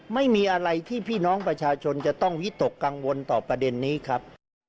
ไม่มีอะไรที่พี่น้องประชาชนจะต้องวิตกกังวลต่อประเด็นนี้ครับ